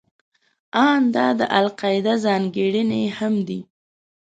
ان دا د القاعده ځانګړنې هم دي.